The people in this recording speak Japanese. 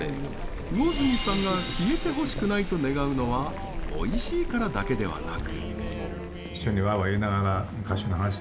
魚住さんが消えてほしくないと願うのはおいしいからだけではなく。